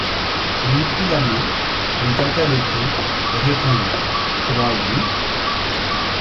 Il lui prit la main, lui tâta le pouls, et répondit: — Comment êtes-vous?